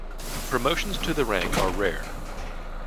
Promotions to the rank are rare.